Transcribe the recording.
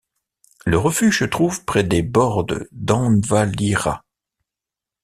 Le refuge se trouve près des Bordes d'Envalira.